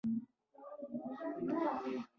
د مور خبرې یې ډېرې د فکر وړ وې